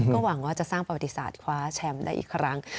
ก็หวังว่าจะสร้างประวัติศาสตร์คว้าแชมป์ได้อีกครั้ง